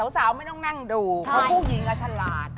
สาวไม่ต้องนั่งดูเพราะผู้หญิงฉลาด